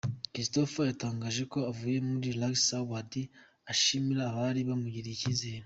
Christopher yatangaje ko avuye muri Salax Awards ashimira abari bamugiriye icyizere.